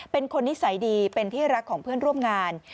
เป็นคนนิสัยดีเป็นที่รักของเพื่อนร่วมงาน